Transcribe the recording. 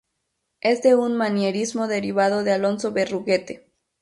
Es de un manierismo derivado de Alonso Berruguete.